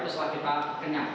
terus lagi kita kenyang